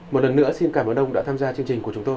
một lần nữa xin cảm ơn ông đã tham gia chương trình của chúng tôi